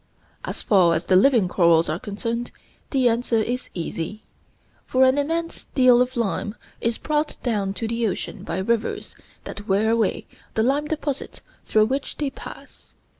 As far as the living corals are concerned the answer is easy, for an immense deal of lime is brought down to the ocean by rivers that wear away the lime deposits through which they pass.